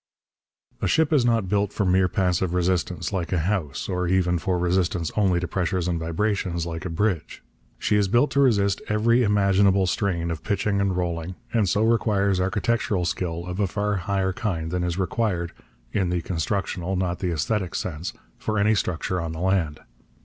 A ship is not built for mere passive resistance, like a house, or even for resistance only to pressures and vibrations, like a bridge. She is built to resist every imaginable strain of pitching and rolling, and so requires architectural skill of a far higher kind than is required (in the constructional, not the aesthetic, sense) for any structure on the land.